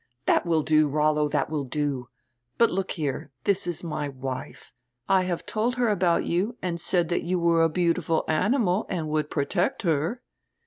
"That will do, Rollo, diat will do. But look here; diis is my wife. I have told her about you and said diat you were a beautiful animal and would protect her."